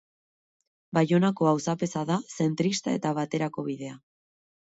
Baionako auzapeza da, zentrista eta Baterako kidea.